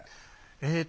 えっと